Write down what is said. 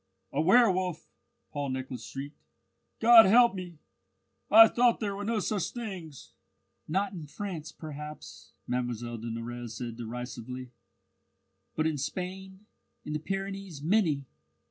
"A werwolf!" Paul Nicholas shrieked. "God help me! I thought there were no such things!" "Not in France, perhaps," Mlle de Nurrez said derisively; "but in Spain, in the Pyrenees, many!